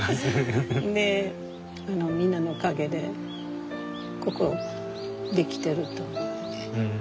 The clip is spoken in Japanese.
みんなのおかげでここ出来てると思うんで。